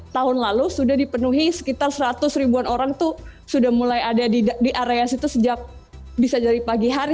tahun lalu sudah dipenuhi sekitar seratus ribuan orang tuh sudah mulai ada di area situ sejak bisa dari pagi hari